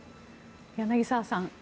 柳澤さん